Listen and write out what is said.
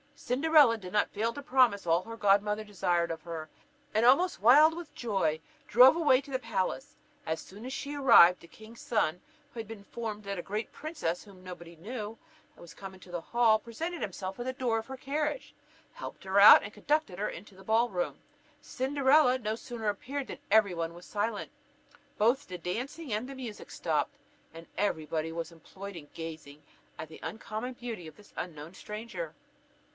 Cinderella did not fail to promise all her godmother desired of her; and almost wild with joy drove away to the palace. As soon as she arrived, the king's son, who had been informed that a great princess, whom nobody knew, was come to the ball, presented himself at the door of her carriage, helped her out, and conducted her to the ball room. Cinderella no sooner appeared than every one was silent; both the dancing and the music stopped, and every body was employed in gazing at the uncommon beauty of this unknown stranger.